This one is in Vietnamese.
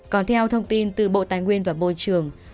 còn theo thông tin từ bộ tài nguyên và môi trường